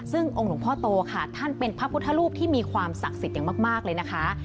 ซึ่งท่านเป็นพระพุทธรูปที่มีความศักดิ์สิทธิ์อย่างมากเลยนะคะ